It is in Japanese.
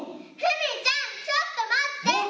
ふみちゃん、ちょっと待って。